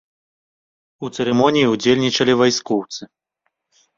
У цырымоніі ўдзельнічалі вайскоўцы.